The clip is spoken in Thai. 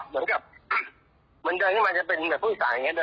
เหมือนมันจะเป็นภูมิสารอย่างนี้